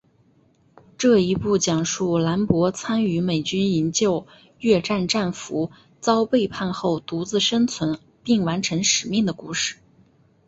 这一部讲述兰博参与美军营救越战战俘遭背叛后独自生存并完成使命的故事。